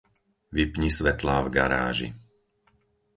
Vypni svetlá v garáži.